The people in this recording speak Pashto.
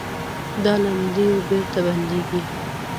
دا لیندیو بېرته بندېږي.